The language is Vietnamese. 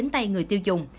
hay người tiêu dùng